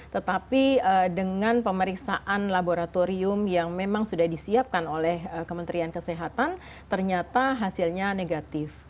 tetapi dengan pemeriksaan laboratorium yang memang sudah disiapkan oleh kementerian kesehatan ternyata hasilnya negatif